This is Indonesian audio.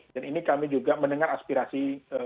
dan ini kami juga mendengar aspirasi